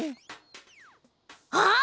あっ！